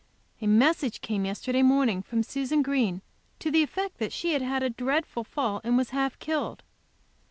A Message came yesterday morning from Susan Green to the effect that she had had a dreadful fall, and was half killed.